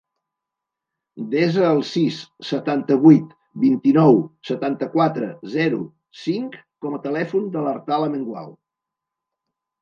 Desa el sis, setanta-vuit, vint-i-nou, setanta-quatre, zero, cinc com a telèfon de l'Artal Amengual.